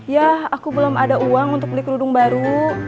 ya aku belum ada uang untuk beli kerudung baru